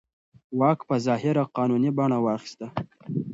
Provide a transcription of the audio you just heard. واک په ظاهره قانوني بڼه واخیسته.